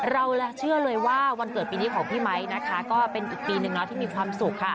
เราเชื่อเลยว่าวันเกิดปีนี้ของพี่ไมค์นะคะก็เป็นอีกปีหนึ่งเนาะที่มีความสุขค่ะ